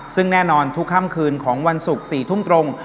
ซึ่งแน่นอนทุกค่ำคืนของวันศุกร์๔ทุ่มตรง